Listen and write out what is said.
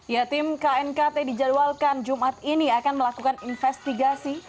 ya tim knkt dijadwalkan jumat ini akan melakukan investigasi